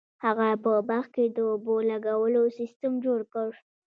هغه په باغ کې د اوبو لګولو سیستم جوړ کړ.